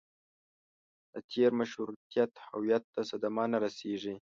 د تېر مشروطیت هویت ته صدمه نه رسېږي.